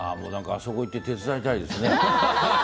あそこに行って手伝いたいですね。